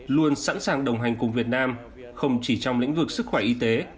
luôn sẵn sàng đồng hành cùng việt nam không chỉ trong lĩnh vực sức khỏe y tế